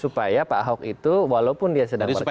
supaya pak ahok itu walaupun dia sedang melakukan